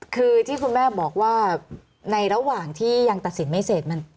คือที่คุณแม่บอกว่าในระหว่างที่ยังตัดสินไม่เสร็จ